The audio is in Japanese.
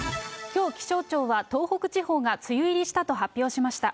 きょう気象庁は、東北地方が梅雨入りしたと発表しました。